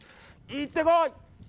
行ってこい！